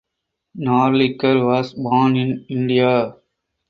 Narlikar was born in India.